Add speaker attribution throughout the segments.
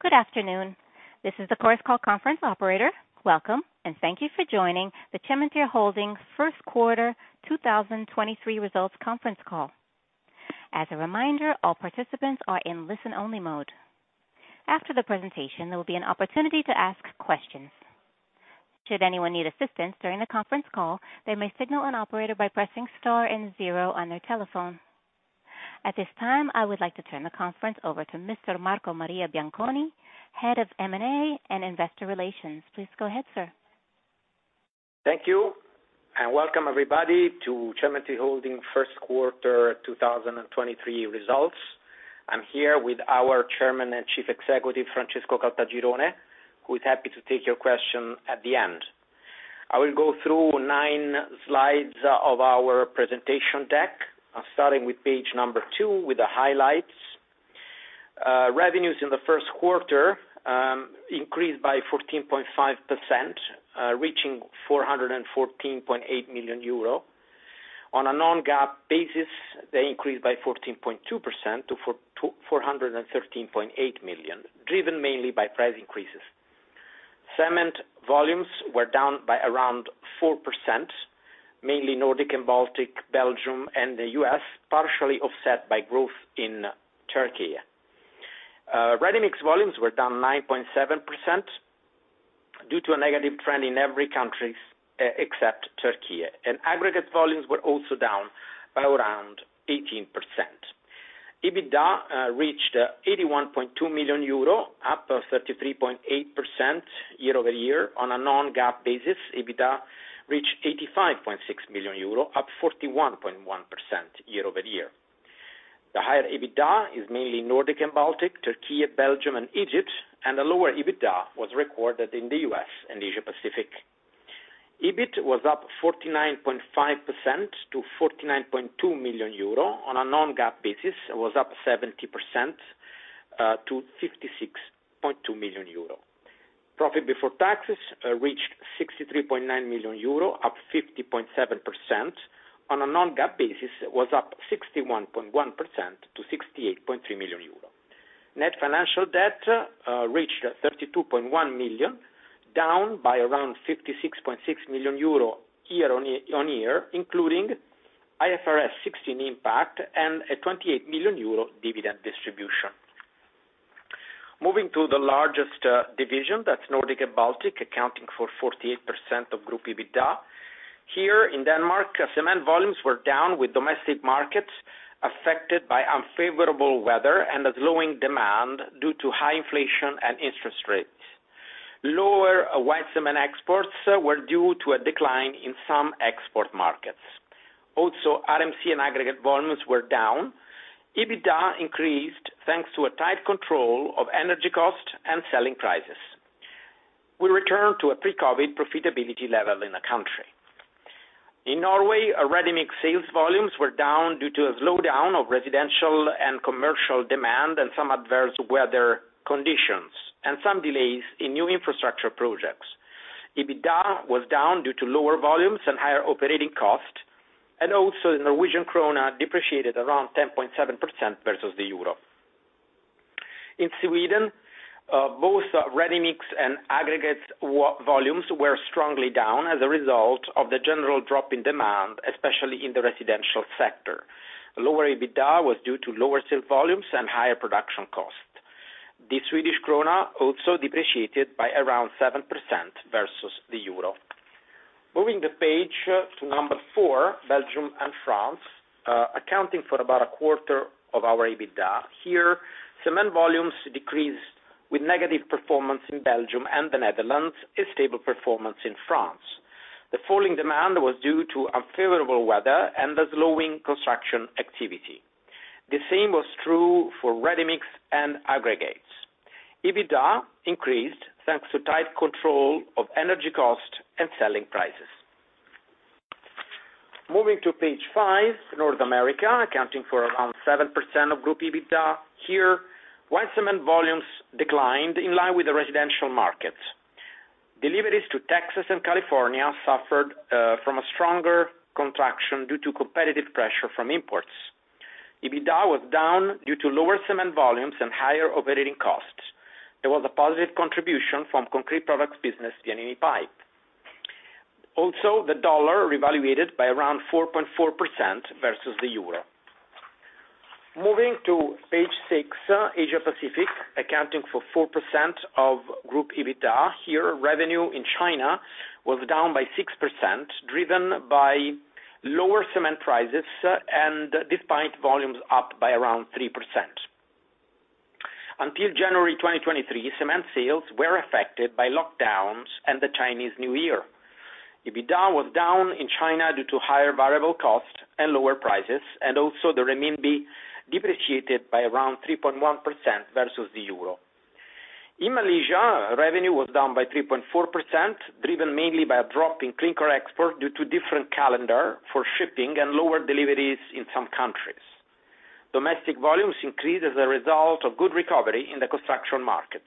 Speaker 1: Good afternoon. This is the Chorus Call conference operator. Welcome, and thank you for joining the Cementir Holding's first quarter 2023 results conference call. As a reminder, all participants are in listen-only mode. After the presentation, there will be an opportunity to ask questions. Should anyone need assistance during the conference call, they may signal an operator by pressing star and zero on their telephone. At this time, I would like to turn the conference over to Mr. Marco Maria Bianconi, Head of M&A and Investor Relations. Please go ahead, sir.
Speaker 2: Thank you, welcome everybody to Cementir Holding first quarter 2023 results. I'm here with our Chairman and Chief Executive, Francesco Caltagirone, who is happy to take your question at the end. I will go through nine slides of our presentation deck, starting with page number two with the highlights. Revenues in the first quarter increased by 14.5%, reaching 414.8 million euro. On a non-GAAP basis, they increased by 14.2% to 413.8 million, driven mainly by price increases. Cement volumes were down by around 4%, mainly Nordic and Baltic, Belgium and the U.S., partially offset by growth in Turkey. Ready-mix volumes were down 9.7% due to a negative trend in every countries except Turkey. Aggregate volumes were down by around 18%. EBITDA reached 81.2 million euro, up by 33.8% year-over-year. On a non-GAAP basis, EBITDA reached 85.6 million euro, up 41.1% year-over-year. The higher EBITDA is mainly Nordic and Baltic, Turkey, Belgium, and Egypt, and the lower EBITDA was recorded in the U.S. and Asia Pacific. EBIT was up 49.5% to 49.2 million euro. On a non-GAAP basis, it was up 70% to 56.2 million euro. Profit before taxes reached 63.9 million euro, up 50.7%. On a non-GAAP basis, it was up 61.1% to 68.3 million euro. Net financial debt reached 32.1 million, down by around 56.6 million euro year-on-year, including IFRS 16 impact and a 28 million euro dividend distribution. Moving to the largest division, that's Nordic and Baltic, accounting for 48% of group EBITDA. Here in Denmark, cement volumes were down with domestic markets affected by unfavorable weather and a slowing demand due to high inflation and interest rates. Lower white cement exports were due to a decline in some export markets. Also, RMC and aggregate volumes were down. EBITDA increased thanks to a tight control of energy cost and selling prices. We return to a pre-COVID profitability level in the country. In Norway, our ready mix sales volumes were down due to a slowdown of residential and commercial demand and some adverse weather conditions and some delays in new infrastructure projects. EBITDA was down due to lower volumes and higher operating costs. The Norwegian krona depreciated around 10.7% versus the EUR. In Sweden, both ready mix and aggregate volumes were strongly down as a result of the general drop in demand, especially in the residential sector. Lower EBITDA was due to lower sales volumes and higher production costs. The Swedish krona depreciated by around 7% versus the EUR. Moving the page to four, Belgium and France, accounting for about a quarter of our EBITDA. Here, cement volumes decreased with negative performance in Belgium and the Netherlands, a stable performance in France. The falling demand was due to unfavorable weather and the slowing construction activity. The same was true for ready mix and aggregates. EBITDA increased thanks to tight control of energy cost and selling prices. Moving to page five, North America, accounting for around 7% of group EBITDA. Here, white cement volumes declined in line with the residential markets. Deliveries to Texas and California suffered from a stronger contraction due to competitive pressure from imports. EBITDA was down due to lower cement volumes and higher operating costs. There was a positive contribution from concrete products business, Vianini Pipe. Also, the dollar revaluated by around 4.4% versus the EUR. Moving to page 6, Asia Pacific, accounting for 4% of group EBITDA. Here, revenue in China was down by 6%, driven by lower cement prices and despite volumes up by around 3%. Until January 2023, cement sales were affected by lockdowns and the Chinese New Year. EBITDA was down in China due to higher variable costs and lower prices. The renminbi depreciated by around 3.1% versus the euro. In Malaysia, revenue was down by 3.4%, driven mainly by a drop in clinker export due to different calendar for shipping and lower deliveries in some countries. Domestic volumes increased as a result of good recovery in the construction market.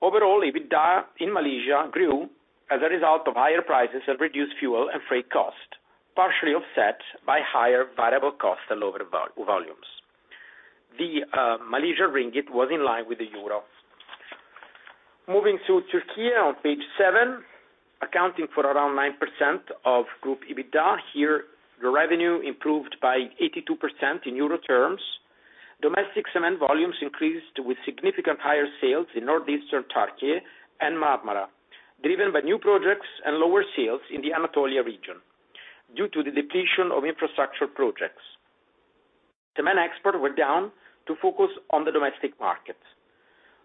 Speaker 2: Overall, EBITDA in Malaysia grew as a result of higher prices and reduced fuel and freight costs, partially offset by higher variable costs and lower volumes. The Malaysian ringgit was in line with the euro. Moving to Turkey on page seven, accounting for around 9% of group EBITDA. The revenue improved by 82% in euro terms. Domestic cement volumes increased with significant higher sales in northeastern Turkey and Marmara, driven by new projects and lower sales in the Anatolia region due to the depletion of infrastructure projects. Cement export were down to focus on the domestic markets.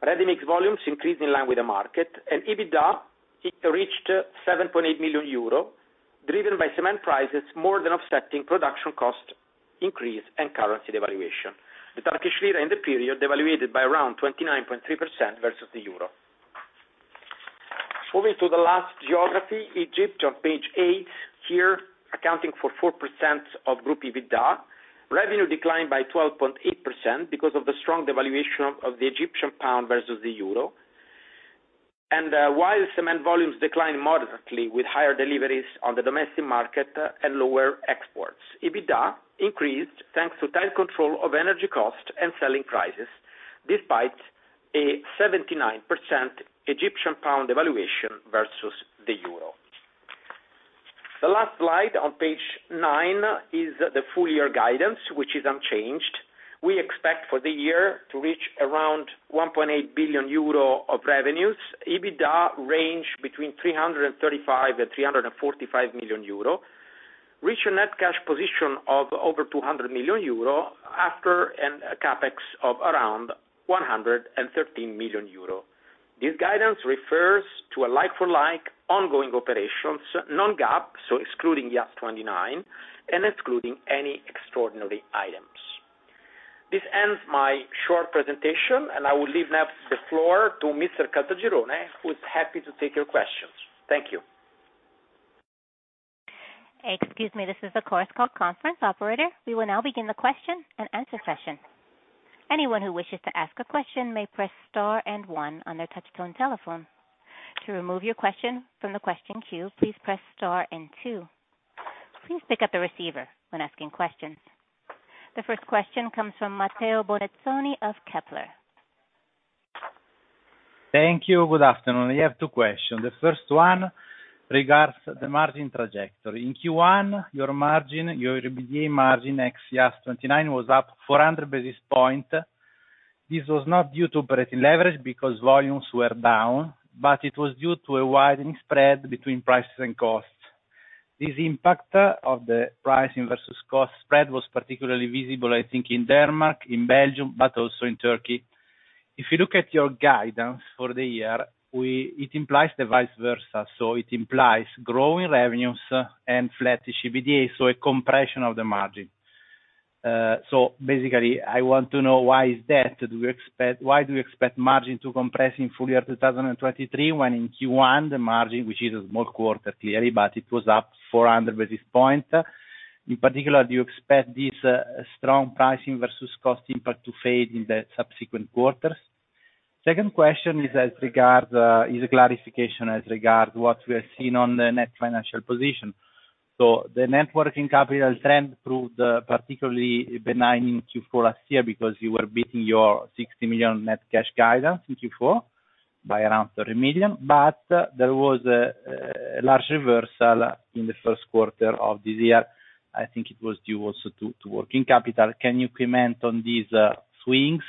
Speaker 2: Ready mixed volumes increased in line with the market, and EBITDA it reached 7.8 million euro, driven by cement prices more than offsetting production cost increase and currency devaluation. The Turkish lira in the period devaluated by around 29.3% versus the EUR. Moving to the last geography, Egypt, on page 8. Here, accounting for 4% of group EBITDA. Revenue declined by 12.8% because of the strong devaluation of the Egyptian pound versus the EUR. While cement volumes declined moderately with higher deliveries on the domestic market and lower exports, EBITDA increased thanks to tight control of energy cost and selling prices, despite a 79% EGP devaluation versus the EUR. The last slide on page nine is the full year guidance, which is unchanged. We expect for the year to reach around 1.8 billion euro of revenues, EBITDA range between 335 million and 345 million euro, reach a net cash position of over 200 million euro after a CapEx of around 113 million euro. This guidance refers to a like-for-like ongoing operations, non-GAAP, so excluding IAS 29, and excluding any extraordinary items. This ends my short presentation, and I will leave now the floor to Mr. Caltagirone, who is happy to take your questions. Thank you.
Speaker 1: Excuse me. This is the Chorus Call conference operator. We will now begin the question-and-answer session. Anyone who wishes to ask a question may press star and one on their touchtone telephone. To remove your question from the question queue, please press star and two. Please pick up the receiver when asking questions. The first question comes from Matteo Bonizzoni of Kepler.
Speaker 3: Thank you. Good afternoon. I have two questions. The first one regards the margin trajectory. In Q1, your margin, your EBITDA margin ex IAS 29 was up 400 basis points. This was not due to operating leverage because volumes were down, but it was due to a widening spread between prices and costs. This impact of the pricing versus cost spread was particularly visible, I think, in Denmark, in Belgium, but also in Turkey. If you look at your guidance for the year, it implies the vice versa. It implies growing revenues and flat EBITDA, so a compression of the margin. Basically, I want to know why is that? Why do you expect margin to compress in full year 2023 when in Q1 the margin, which is a small quarter clearly, but it was up 400 basis points. In particular, do you expect this strong pricing versus cost impact to fade in the subsequent quarters? Second question is as regard is a clarification as regard what we are seeing on the net financial position. The net working capital trend proved particularly benign in Q4 last year because you were beating your 60 million net cash guidance in Q4 by around 30 million. There was a large reversal in the first quarter of this year. I think it was due also to working capital. Can you comment on these swings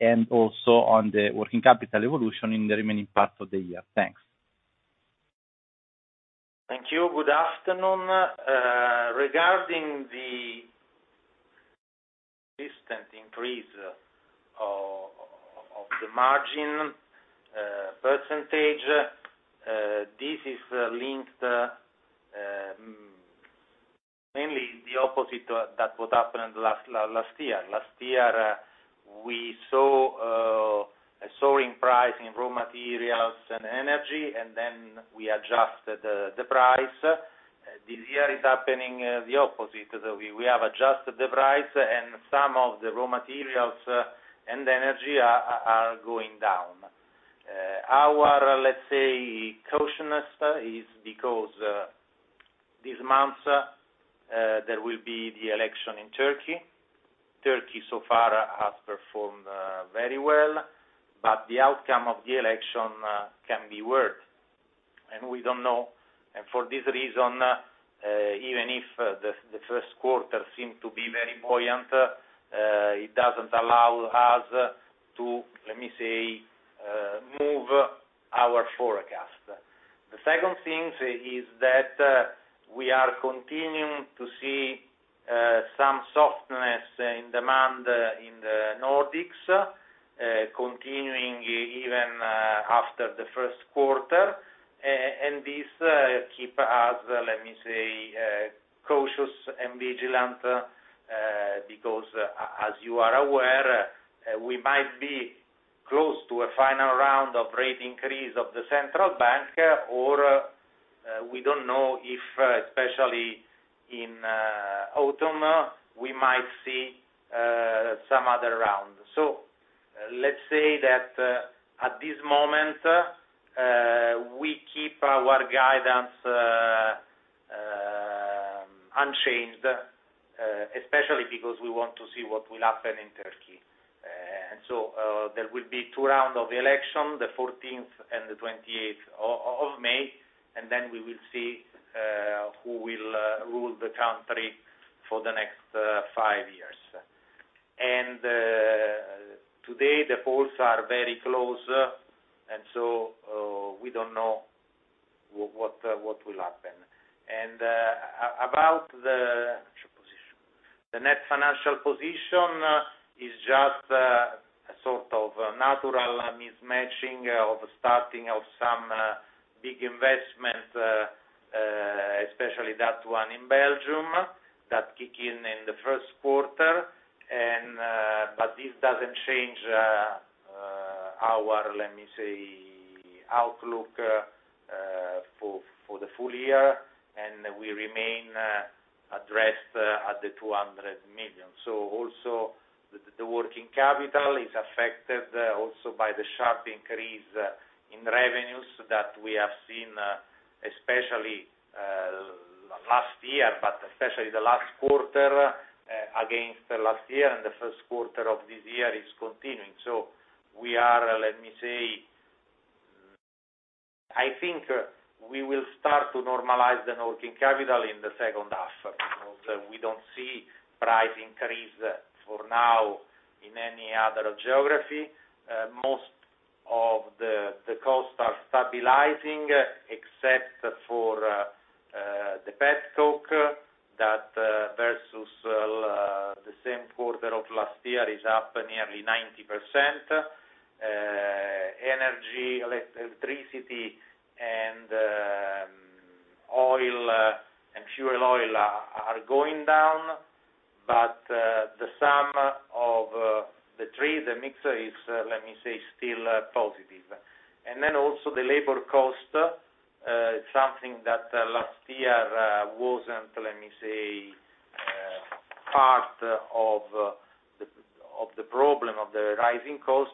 Speaker 3: and also on the working capital evolution in the remaining parts of the year? Thanks.
Speaker 4: Thank you. Good afternoon. Regarding the distant increase of the margin percentage, this is linked mainly the opposite to that what happened last year. Last year, we saw a soaring price in raw materials and energy, and then we adjusted the price. This year, it's happening the opposite. We have adjusted the price and some of the raw materials and energy are going down. Our, let's say, cautiousness is because this month, there will be the election in Turkey. Turkey so far has performed very well, but the outcome of the election can be worse. We don't know. For this reason, even if the first quarter seemed to be very buoyant, it doesn't allow us to, let me say, move our forecast. The second thing is that, we are continuing to see, some softness in demand in the Nordics, continuing even, after the first quarter. This, keep us, let me say, cautious and vigilant, because as you are aware, we might be close to a final round of rate increase of the central bank. We don't know if, especially in autumn, we might see some other round. Let's say that, at this moment, we keep our guidance unchanged, especially because we want to see what will happen in Turkey. There will be second round of election, the 14th and the 28th of May, and then we will see who will rule the country for the next five years. Today, the polls are very close, and so, we don't know what will happen. About the net financial position. The net financial position is just a sort of natural mismatching of starting of some big investment, especially that one in Belgium that kick in in the first quarter. But this doesn't change our, let me say, outlook for the full year, and we remain addressed at 200 million. Also the working capital is affected also by the sharp increase in revenues that we have seen, especially last year, but especially the last quarter against the last year, and the first quarter of this year is continuing. I think we will start to normalize the working capital in the second half. We don't see price increase for now in any other geography. Most of the costs are stabilizing, except for the pet coke, that versus the same quarter of last year is up nearly 90%. Energy, electricity, and oil and fuel oil are going down. The sum of the three, the mix is, let me say, still positive. Also the labor cost, something that last year wasn't, let me say, part of the problem of the rising cost.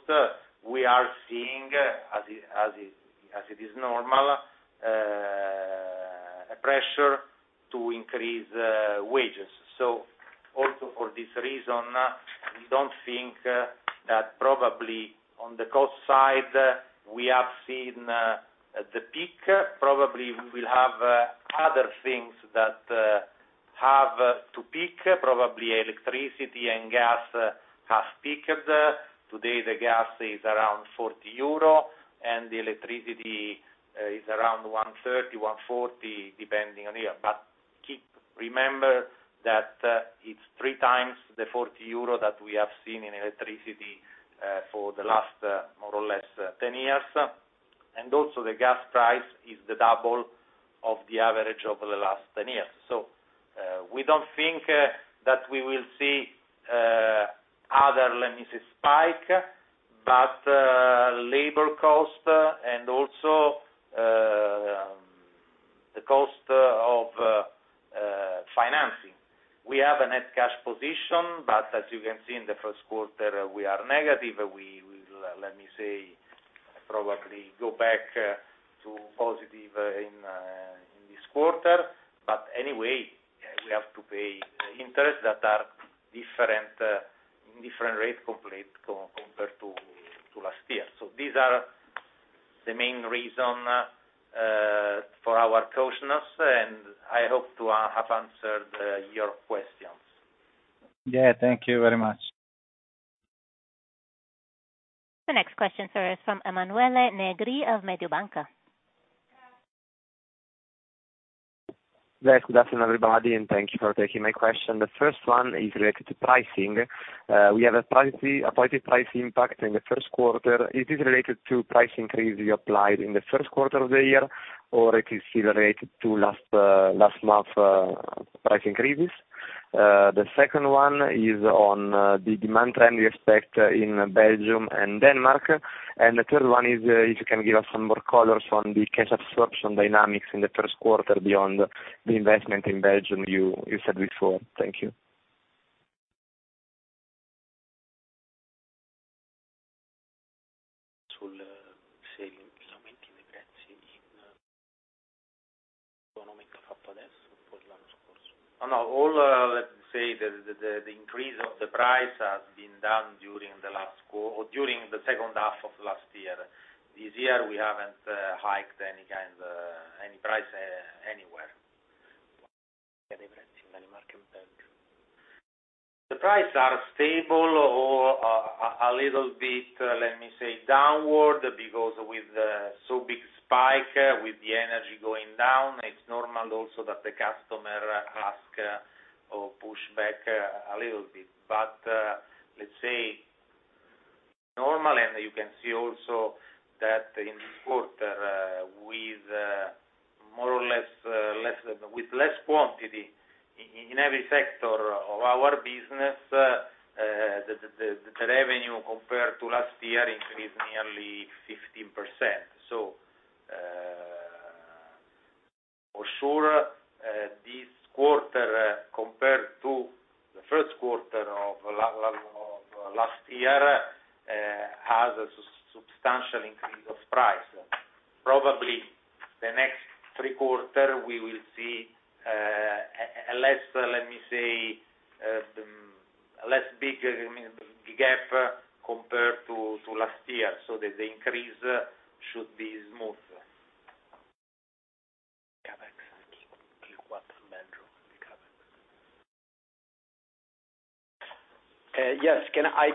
Speaker 4: We are seeing, as it is normal, a pressure to increase wages. Also for this reason, we don't think that probably on the cost side, we have seen the peak. Probably we will have other things that have to peak. Probably electricity and gas has peaked. Today, the gas is around 40 euro, and the electricity is around 130, 140, depending on year. Remember that it's three times the 40 euro that we have seen in electricity for the last, more or less, 10 years. Also the gas price is the double of the average over the last 10 years. We don't think that we will see other, let me say, spike, but labor cost and also the cost of financing. We have a net cash position, but as you can see in the first quarter, we are negative. We, let me say, probably go back to positive in this quarter. Anyway, we have to pay interest that are different rate compared to last year. These are the main reason for our cautiousness, and I hope to have answered your questions.
Speaker 3: Yeah, thank you very much.
Speaker 1: The next question sir, is from Emanuele Negri of Mediobanca.
Speaker 5: Yes, good afternoon, everybody, and thank you for taking my question. The first one is related to pricing. We have a positive price impact in the first quarter. It is related to price increase you applied in the first quarter of the year, or it is still related to last month price increases. The second one is on the demand trend we expect in Belgium and Denmark. The third one is, if you can give us some more colors on the cash absorption dynamics in the first quarter beyond the investment in Belgium you said before. Thank you.
Speaker 4: All, let's say the increase of the price has been done during the second half of last year. This year, we haven't hiked any kind, any price, anywhere. The price are stable or a little bit, let me say, downward because with so big spike with the energy going down, it's normal also that the customer ask or push back a little bit. Let's say normal. You can see also that in this quarter, with more or less, with less quantity in every sector of our business, the revenue compared to last year increased nearly 15%. For sure, this quarter, compared to the first quarter of last year, has a substantial increase of price. Probably the next three quarter, we will see a less, let me say, a less bigger, I mean, gap, compared to last year, so the increase should be smoother.
Speaker 2: Yes.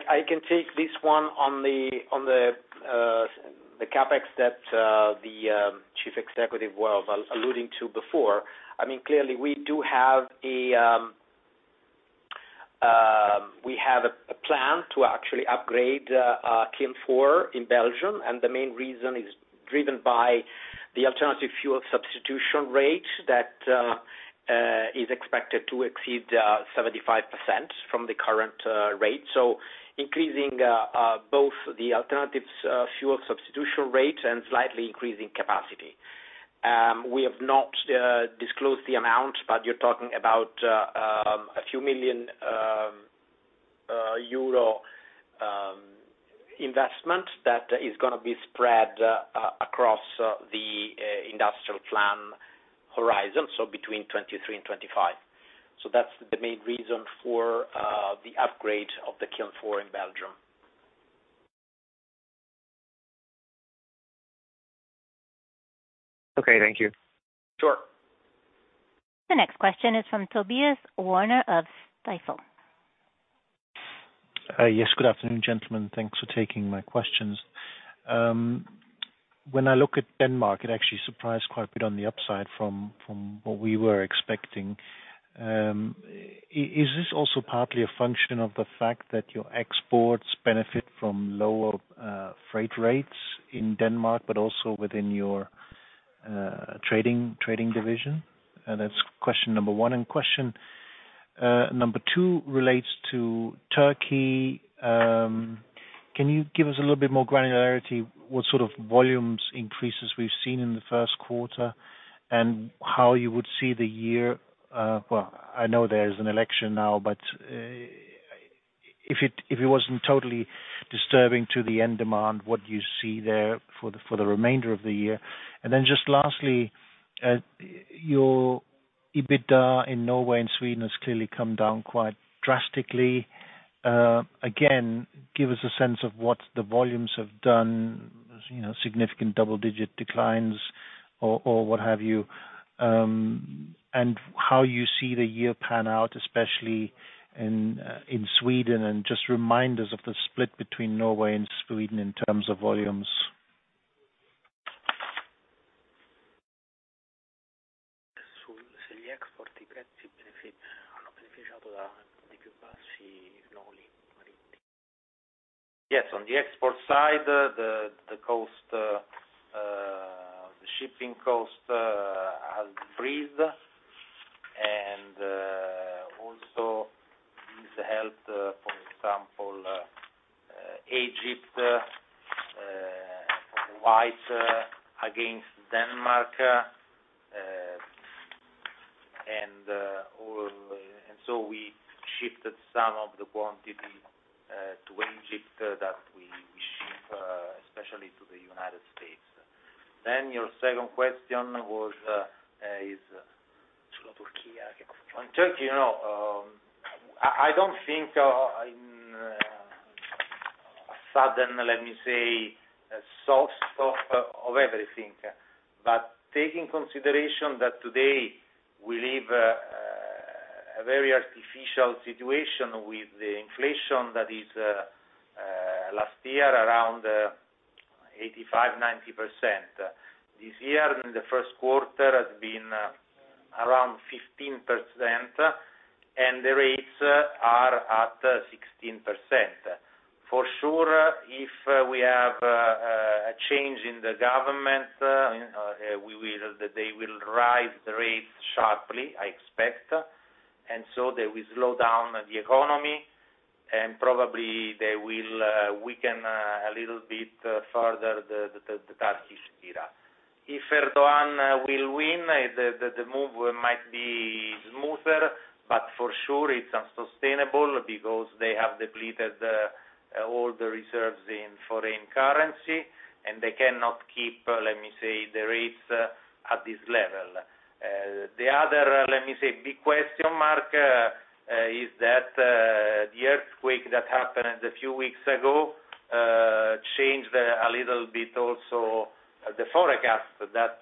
Speaker 2: I can take this one on the, on the CapEx that the chief executive was alluding to before. I mean, clearly, we do have a plan to actually upgrade Kiln 4 in Belgium, and the main reason is driven by the alternative fuel substitution rate that is expected to exceed 75% from the current rate. Increasing both the alternatives fuel substitution rate and slightly increasing capacity. We have not disclosed the amount, but you're talking about a few million EUR investment that is gonna be spread across the industrial plan horizon, so between 2023 and 2025. That's the main reason for the upgrade of the Kiln 4 in Belgium.
Speaker 5: Okay. Thank you.
Speaker 4: Sure.
Speaker 1: The next question is from Tobias Woerner of Stifel.
Speaker 6: Yes, good afternoon, gentlemen. Thanks for taking my questions. Is this also partly a function of the fact that your exports benefit from lower freight rates in Denmark, but also within your trading division? That's question number one. Question number two relates to Turkey. Can you give us a little bit more granularity, what sort of volumes increases we've seen in the 1st quarter and how you would see the year... Well, I know there's an election now, but if it wasn't totally disturbing to the end demand, what you see there for the remainder of the year. Just lastly, your EBITDA in Norway and Sweden has clearly come down quite drastically. Again, give us a sense of what the volumes have done, you know, significant double-digit declines or what have you, and how you see the year pan out, especially in Sweden, and just remind us of the split between Norway and Sweden in terms of volumes.
Speaker 4: Yes, on the export side, the cost, the shipping cost has increased. Also this helped, for example, Egypt, quite against Denmark, and all... So we shifted some of the quantity to Egypt that we ship, especially to the United States. Your second question was, on Turkey, you know, I don't think a sudden, let me say, a soft stop of everything. Take in consideration that today, we live a very artificial situation with the inflation that is last year around 85%-90%. This year, the first quarter has been around 15%, and the rates are at 16%. For sure, if we have a change in the government, they will rise the rates sharply, I expect. They will slow down the economy, and probably they will weaken a little bit further the Turkish lira. If Erdogan will win, the move might be smoother, but for sure it's unsustainable because they have depleted all the reserves in foreign currency, and they cannot keep, let me say, the rates at this level. The other, let me say, big question mark is that the earthquake that happened a few weeks ago changed a little bit also the forecast that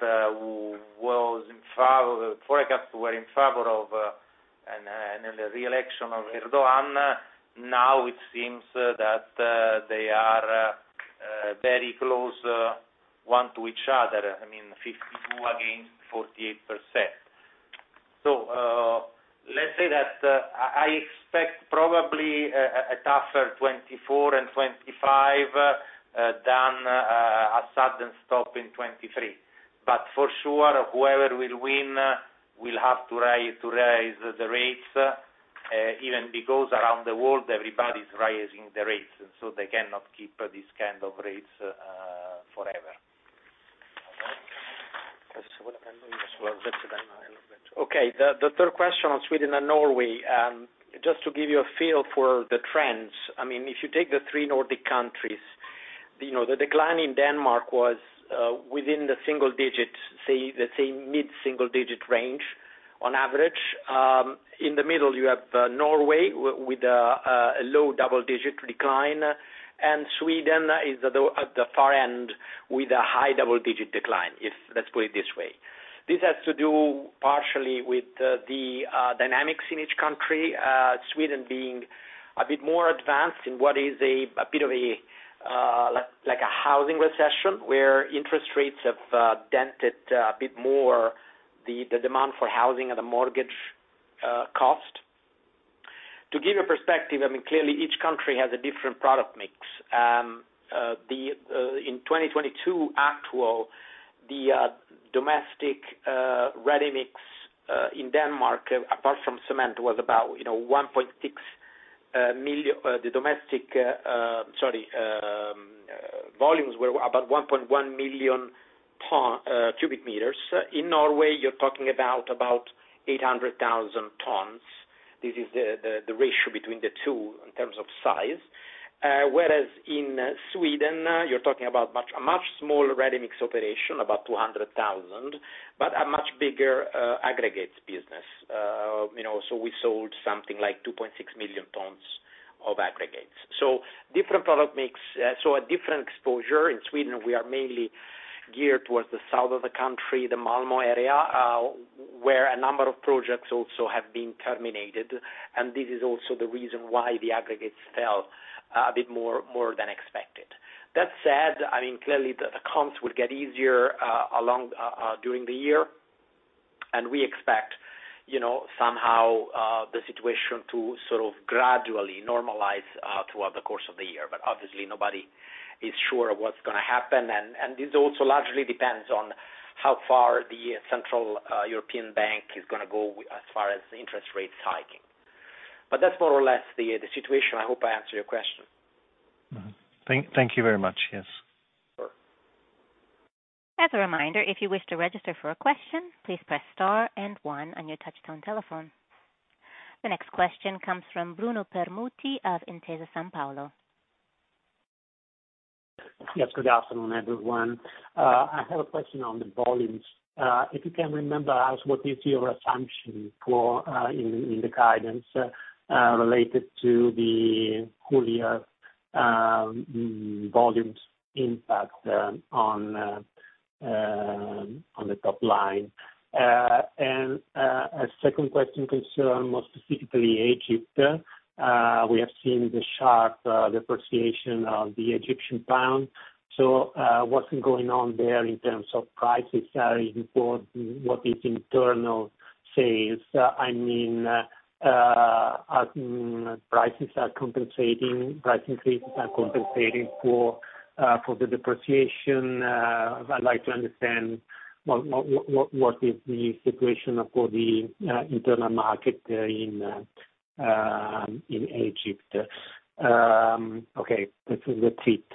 Speaker 4: was in favor... Forecasts were in favor of the reelection of Erdogan. Now it seems that they are very close one to each other. I mean, 52% against 48%. Let's say that, I expect probably a tougher 2024 and 2025 than a sudden stop in 2023. For sure, whoever will win will have to rise, to raise the rates, even because around the world everybody's raising the rates, and so they cannot keep these kind of rates, forever.
Speaker 6: Okay.
Speaker 2: The third question on Sweden and Norway, just to give you a feel for the trends, I mean, if you take the three Nordic countries, you know, the decline in Denmark was within the single digits, say, the same mid-single digit range on average. In the middle, you have Norway with a low double-digit decline, and Sweden is at the far end with a high double-digit decline, if let's put it this way. This has to do partially with the dynamics in each country, Sweden being a bit more advanced in what is a bit of a like a housing recession, where interest rates have dented a bit more the demand for housing and the mortgage cost. To give you perspective, I mean, clearly each country has a different product mix. In 2022 actual, the domestic ready-mix in Denmark, apart from cement, was about 1.6 million. The domestic volumes were about 1.1 million ton CBM. In Norway, you're talking about 800,000 tons. This is the ratio between the two in terms of size. Whereas in Sweden, you're talking about a much smaller ready-mix operation, about 200,000, but a much bigger aggregates business. We sold something like 2.6 million tons of aggregates. Different product mix. A different exposure. In Sweden, we are mainly geared towards the south of the country, the Malmö area, where a number of projects also have been terminated, and this is also the reason why the aggregates fell a bit more than expected. That said, I mean, clearly the accounts would get easier along during the year, and we expect, you know, somehow, the situation to sort of gradually normalize throughout the course of the year. Obviously, nobody is sure what's going to happen. This also largely depends on how far the central European Bank is going to go as far as interest rates hiking. That's more or less the situation. I hope I answered your question.
Speaker 6: Mm-hmm. Thank you very much. Yes.
Speaker 2: Sure.
Speaker 1: As a reminder, if you wish to register for a question, please press star and one on your touch-tone telephone. The next question comes from Bruno Permutti of Intesa Sanpaolo.
Speaker 7: Yes, good afternoon, everyone. I have a question on the volumes. If you can remember, as what is your assumption for in the guidance related to the full year volumes impact on the top line. A second question concern more specifically Egypt. We have seen the sharp depreciation of the Egyptian pound. What's going on there in terms of prices before what is internal sales? I mean, prices are compensating, price increases are compensating for the depreciation. I'd like to understand what is the situation for the internal market in Egypt. Okay, this is the treat.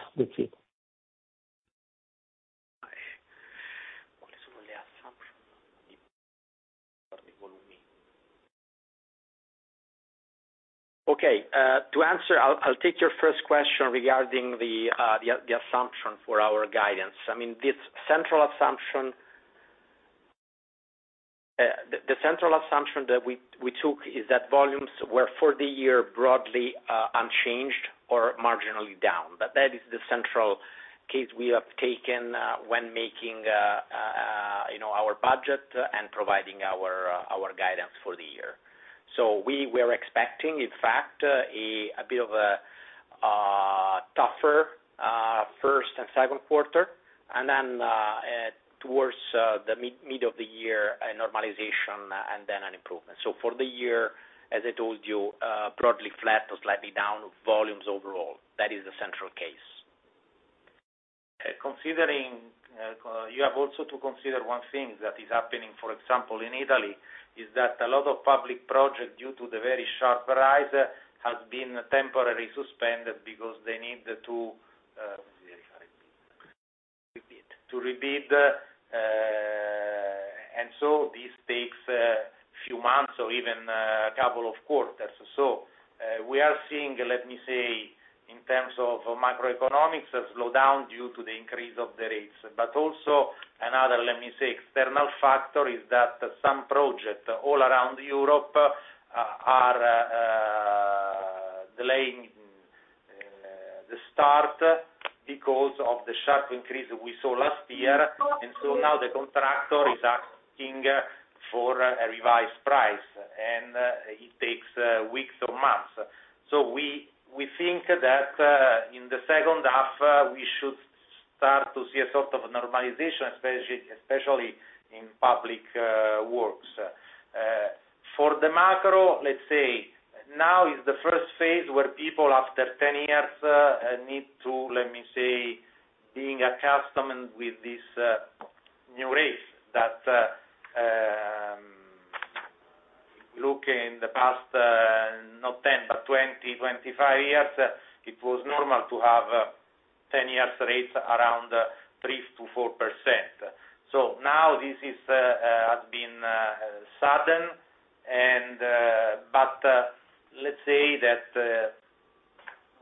Speaker 2: Okay. To answer, I'll take your first question regarding the as-assumption for our guidance. I mean, this central assumption. The central assumption that we took is that volumes were, for the year, broadly unchanged or marginally down. That is the central case we have taken when making, you know, our budget and providing our guidance for the year. We were expecting, in fact, a bit of a tougher first and second quarter, and then towards the mid-mid of the year, a normalization and then an improvement. For the year, as I told you, broadly flat or slightly down volumes overall. That is the central case. Considering, you have also to consider one thing that is happening, for example, in Italy, is that a lot of public project, due to the very sharp rise, has been temporarily suspended because they need to rebid. This takes a few months or even a couple of quarters. We are seeing, let me say, in terms of macroeconomics, a slowdown due to the increase of the rates. Another, let me say, external factor is that some projects all around Europe are delaying the start because of the sharp increase we saw last year. Now the contractor is asking for a revised price, and it takes weeks or months. We think that in the second half, we should start to see a sort of normalization, especially in public.
Speaker 4: For the macro, let's say, now is the first phase where people after 10 years need to, let me say, being accustomed with this new rate that look in the past, November 20-25 years, it was normal to have 10-year rates around 3%-4%. Now this is has been sudden. Let's say that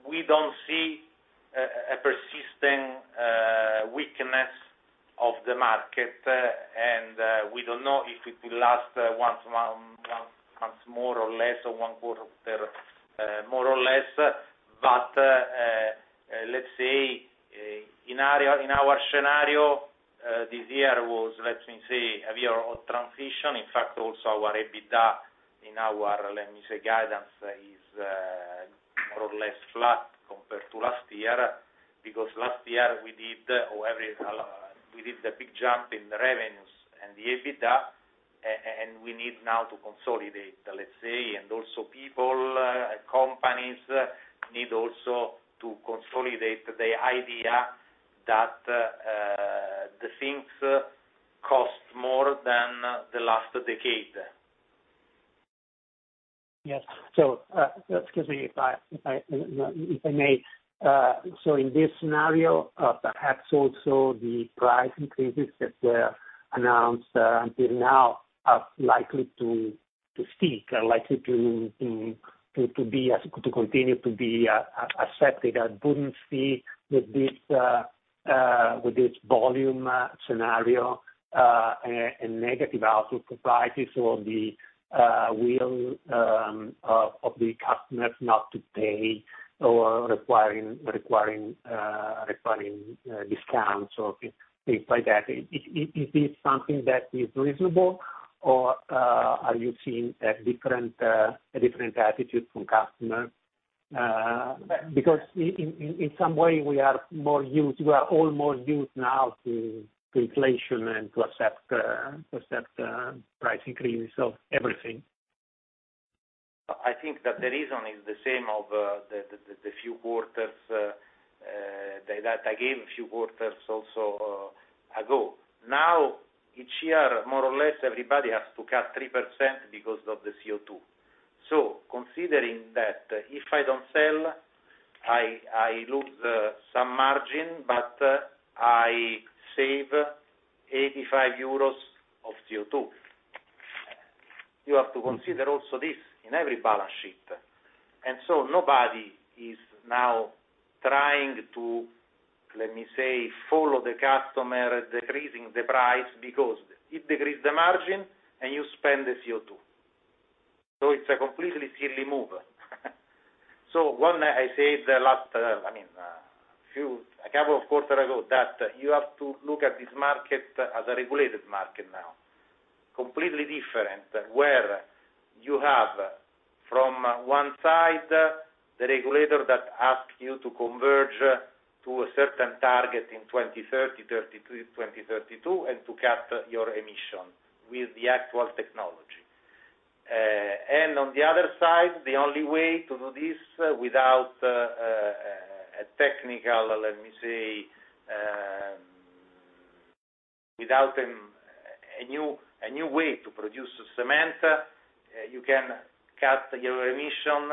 Speaker 4: we don't see a persisting weakness of the market. We don't know if it will last one month, months more or less, or one quarter more or less. Let me say, in our, in our scenario, this year was, let me say, a year of transition. In fact, also our EBITDA in our, let me say, guidance is more or less flat compared to last year. Last year we did a big jump in the revenues and the EBITDA, and we need now to consolidate, let's say. Also people, companies need also to consolidate the idea that the things cost more than the last decade.
Speaker 7: Yes. Excuse me, if I may. In this scenario, perhaps also the price increases that were announced until now are likely to stick, are likely to continue to be accepted. I wouldn't see with this, with this volume scenario, a negative outlook provided. The will of the customers not to pay or requiring discounts or things like that. Is this something that is reasonable or are you seeing a different attitude from customers? Because in some way we are more used, we are all more used now to inflation and to accept price increase of everything.
Speaker 4: I think that the reason is the same of the few quarters that I gave a few quarters also ago. Now, each year, more or less everybody has to cut 3% because of the CO2. Considering that if I don't sell, I lose some margin, but I save 85 euros of CO2. You have to consider also this in every balance sheet. Nobody is now trying to, let me say, follow the customer, decreasing the price because it decrease the margin and you spend the CO2. It's a completely silly move. When I said the last, I mean, a couple of quarter ago, that you have to look at this market as a regulated market now. Completely different, where you have from one side, the regulator that asks you to converge to a certain target in 2030, 2032, and to cap your emission with the actual technology. On the other side, the only way to do this without a technical, let me say, without a new way to produce cement, you can cut your emission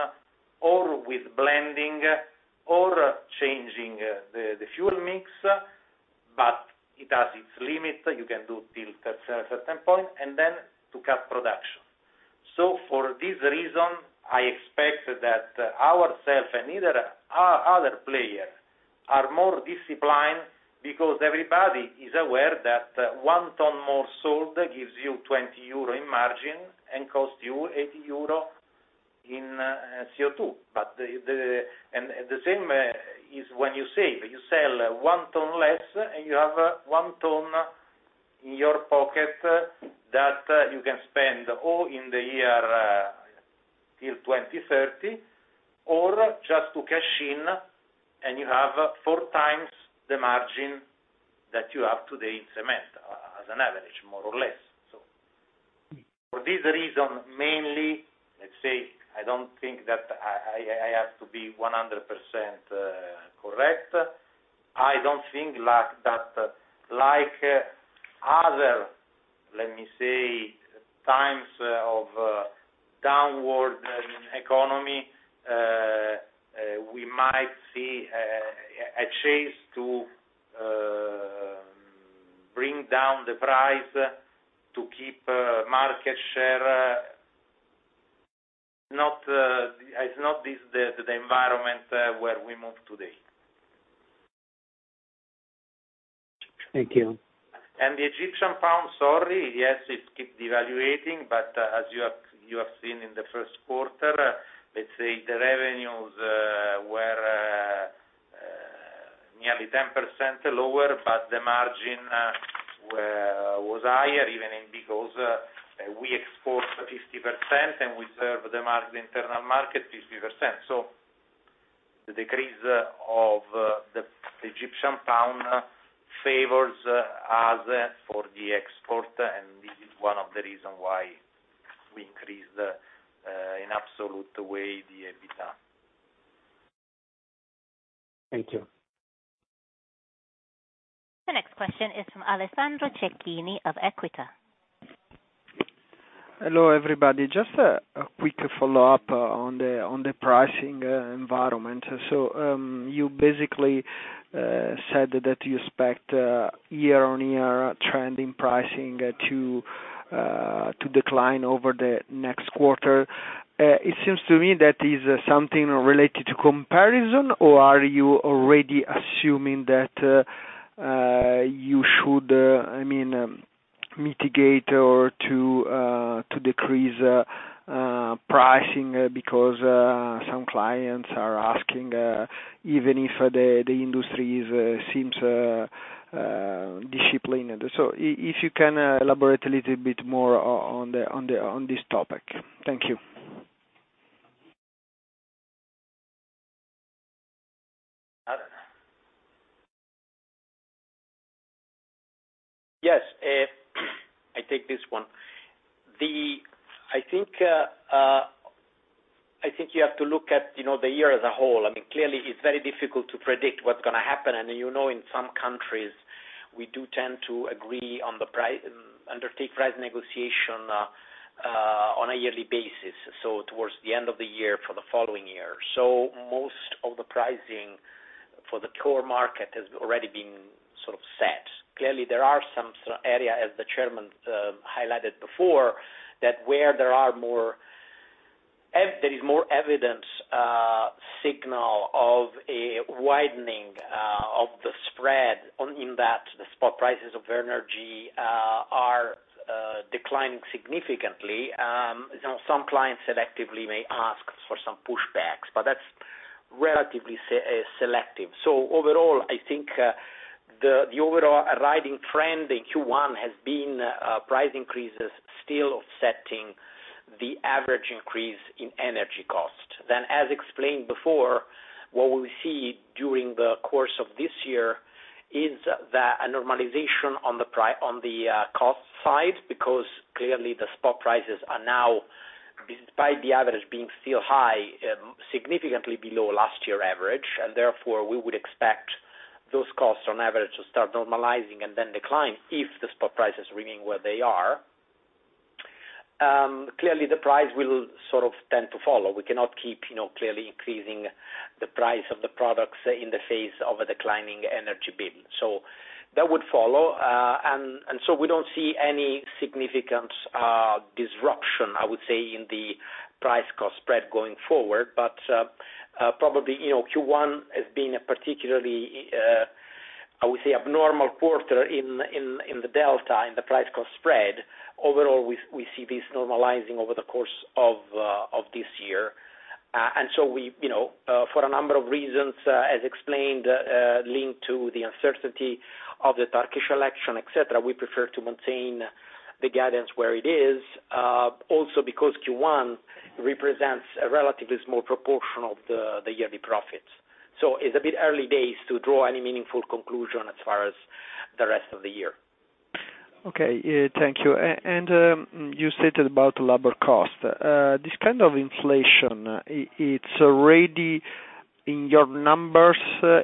Speaker 4: or with blending or changing the fuel mix, but it has its limits. You can do till a certain point and then to cut production. For this reason, I expect that ourself and either other player are more disciplined because everybody is aware that one ton more sold gives you 20 euro in margin and costs you 80 euro in CO2. The... And the same is when you save. You sell 1 ton less. You have 1 ton in your pocket that you can spend all in the year, till 2030, or just to cash in. You have four times the margin that you have today in cement, as an average, more or less. For this reason, mainly, let's say, I don't think that I have to be 100% correct. I don't think like that, like other, let me say, times of downward in economy, we might see a chase to bring down the price to keep market share. Not, it's not this, the environment, where we move today.
Speaker 7: Thank you.
Speaker 4: The Egyptian pound, sorry, yes, it keeps devaluating, as you have seen in the first quarter, let's say the revenues were nearly 10% lower, the margin was higher even in... we export 50% and we serve the internal market 50%. The decrease of the Egyptian pound favors us for the export, and this is one of the reason why we increase the in absolute way, the EBITDA.
Speaker 7: Thank you.
Speaker 1: The next question is from Alessandro Cecchini of Equita.
Speaker 8: Hello, everybody. Just a quick follow-up on the pricing environment. You basically said that you expect year-on-year trending pricing to decline over the next quarter. It seems to me that is something related to comparison, or are you already assuming that you should, I mean, mitigate or to decrease pricing because some clients are asking even if the industry seems disciplined? If you can elaborate a little bit more on this topic. Thank you.
Speaker 2: Yes. I take this one. I think, I think you have to look at, you know, the year as a whole. I mean, clearly, it's very difficult to predict what's gonna happen. You know, in some countries, we do tend to agree on the undertake price negotiation on a yearly basis, so towards the end of the year for the following year. Most of the pricing for the core market has already been sort of set. Clearly, there are some area, as the chairman highlighted before, that where there is more evidence signal of a widening of the spread on-in that the spot prices of energy are declining significantly. Some clients selectively may ask for some pushbacks, but that's relatively selective. Overall, I think, the overall riding trend in Q1 has been, price increases still offsetting the average increase in energy cost. As explained before, what we see during the course of this year is a normalization on the cost side, because clearly the spot prices are now, despite the average being still high, significantly below last year average, and therefore, we would expect those costs on average to start normalizing and then decline if the spot prices remain where they are. Clearly, the price will sort of tend to follow. We cannot keep, you know, clearly increasing the price of the products in the face of a declining energy bill. That would follow. We don't see any significant disruption, I would say, in the price cost spread going forward. Probably, you know, Q1 has been a particularly, I would say, abnormal quarter in the delta, in the price cost spread. Overall, we see this normalizing over the course of this year. We, you know, for a number of reasons, as explained, linked to the uncertainty of the Turkish election, et cetera, we prefer to maintain the guidance where it is, also because Q1 represents a relatively small proportion of the yearly profits. It's a bit early days to draw any meaningful conclusion as far as the rest of the year.
Speaker 8: Thank you. You said about labor cost. This kind of inflation, it's already in your numbers,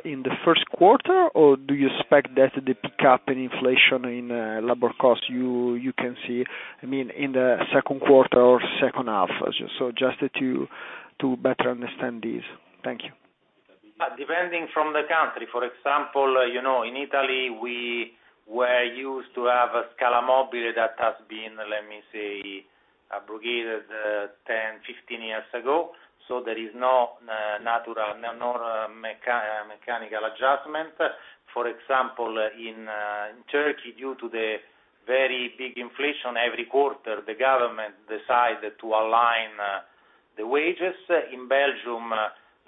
Speaker 8: in the first quarter, or do you expect that the pickup in inflation in labor costs, you can see, I mean, in the second quarter or second half? Just to better understand this. Thank you.
Speaker 4: Depending from the country, for example, you know, in Italy, we were used to have a scala mobile that has been, let me say, abrogated 10, 15 years ago. There is no mechanical adjustment. For example, in Turkey, due to the very big inflation every quarter, the government decided to align the wages. In Belgium,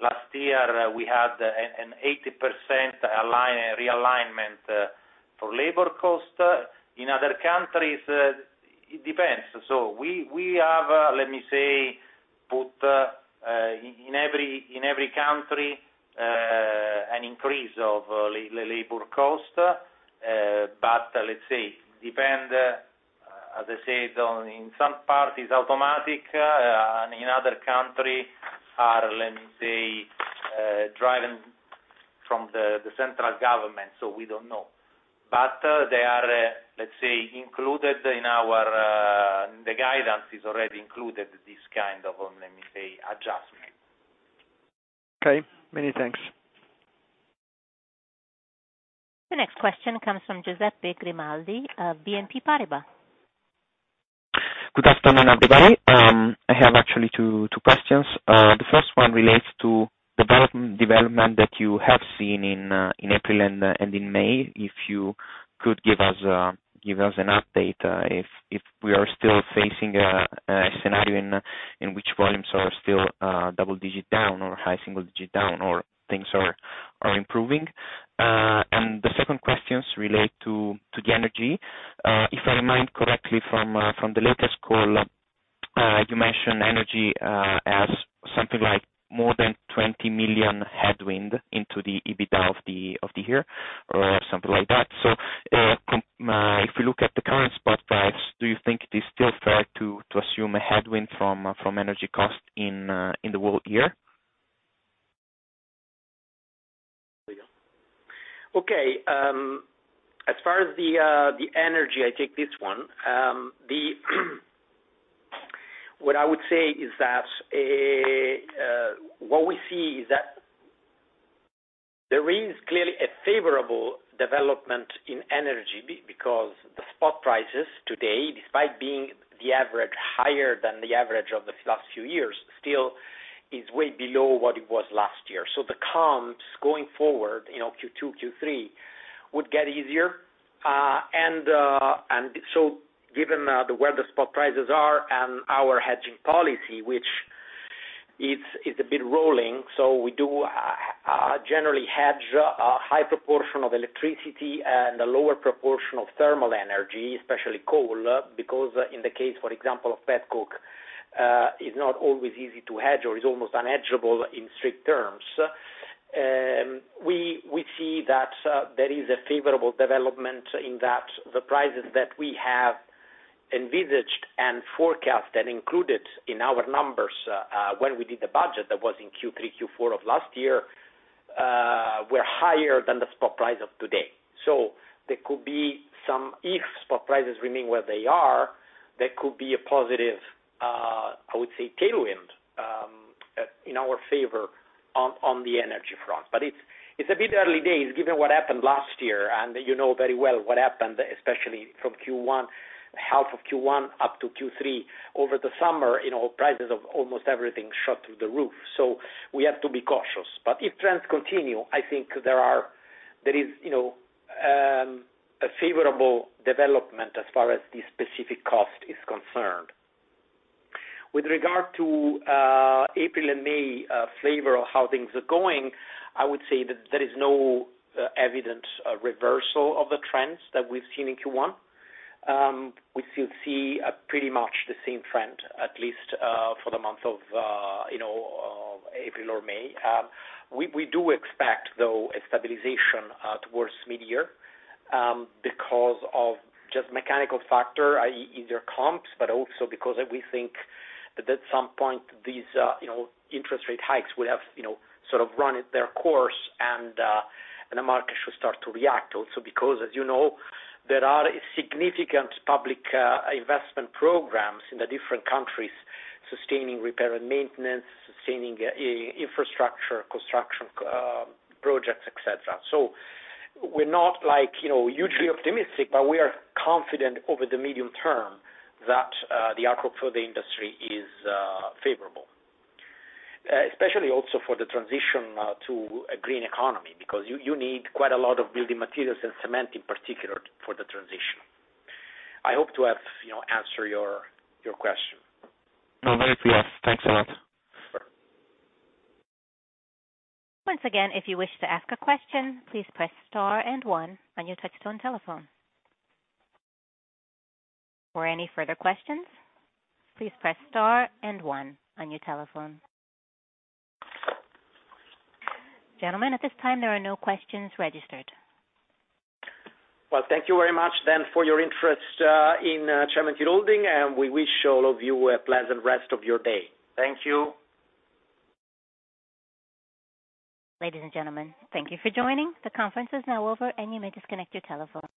Speaker 4: last year, we had an 80% realignment for labor cost. In other countries, it depends. We have, let me say, put in every country an increase of labor cost, let's say, depend, as I said, on in some part is automatic, in other country are, let me say, driven from the central government, we don't know. They are, let's say, included in our. The guidance is already included this kind of, let me say, adjustment.
Speaker 8: Okay, many thanks.
Speaker 1: The next question comes from Giuseppe Grimaldi of BNP Paribas.
Speaker 9: Good afternoon, everybody. I have actually two questions. The first one relates to development that you have seen in April and in May. If you could give us an update, if we are still facing a scenario in which volumes are still double-digit down or high single-digit down, or things are improving. The second questions relate to the energy. If I remind correctly from the latest call, you mentioned energy as something like more than 20 million headwind into the EBITDA of the year or something like that. If you look at the current spot price, do you think it is still fair to assume a headwind from energy costs in the whole year?
Speaker 2: Say is that what we see is that there is clearly a favorable development in energy because the spot prices today, despite being the average higher than the average of the last few years, still is way below what it was last year. The comps going forward, you know, Q2, Q3, would get easier. And so given the way the spot prices are and our hedging policy, which is a bit rolling. So we do generally hedge a high proportion of electricity and a lower proportion of thermal energy, especially coal, because in the case, for example, of pet coke, is not always easy to hedge or is almost unhedgeable in strict terms. We see that there is a favorable development in that the prices that we have envisaged and forecast and included in our numbers, when we did the budget that was in Q3, Q4 of last year, were higher than the spot price of today. If spot prices remain where they are, there could be a positive, I would say, tailwind, in our favor on the energy front. It's a bit early days given what happened last year, and you know very well what happened, especially from Q1, half of Q1 up to Q3. Over the summer, you know, prices of almost everything shot through the roof. We have to be cautious. If trends continue, I think there is, you know, a favorable development as far as this specific cost is concerned. With regard to April and May, flavor of how things are going, I would say that there is no evident reversal of the trends that we've seen in Q1. We still see a pretty much the same trend, at least, for the month of, you know, of April or May. We do expect, though, a stabilization towards mid-year, because of just mechanical factor, i.e, either comps, but also because we think that at some point these, you know, interest rate hikes will have, you know, sort of run it their course and the market should start to react also because, as you know, there are significant public investment programs in the different countries sustaining repair and maintenance, sustaining infrastructure, construction projects, et cetera. We're not like, you know, hugely optimistic, but we are confident over the medium term that the outlook for the industry is favorable. Especially also for the transition to a green economy, because you need quite a lot of building materials and cement in particular for the transition. I hope to have, you know, answered your question.
Speaker 9: No, very clear. Thanks a lot.
Speaker 2: Sure.
Speaker 1: Once again, if you wish to ask a question, please press star and one on your touch-tone telephone. For any further questions, please press star and one on your telephone. Gentlemen, at this time, there are no questions registered.
Speaker 2: Thank you very much then for your interest in Cementir Holding, and we wish all of you a pleasant rest of your day.
Speaker 4: Thank you.
Speaker 1: Ladies and gentlemen, thank you for joining. The conference is now over, and you may disconnect your telephones.